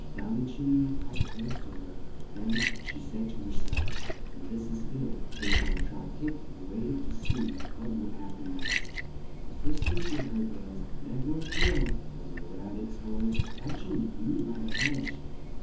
down the chim ney quite close to her; then she said to her self: "This is Bill," gave one sharp kick and wait ed to see what would hap pen next. The first thing she heard was, "There goes Bill!" then the Rab bit's voice, "Catch him, you by the hedge!"